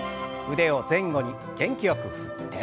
腕を前後に元気よく振って。